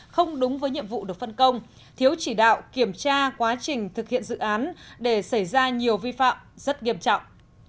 không đúng với nhiệm vụ được phân công thiếu chỉ đạo kiểm tra quá trình thực hiện dự án để xảy ra nhiều vi phạm rất nghiêm trọng